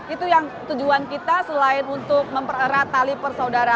itu yang tujuan kita selain untuk mempererat tali persaudaraan